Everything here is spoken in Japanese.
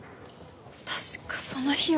確かその日は。